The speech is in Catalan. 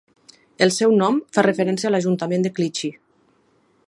El seu nom fa referència a l'ajuntament de Clichy.